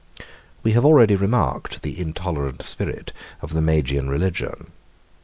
We have already remarked the intolerant spirit of the Magian religion.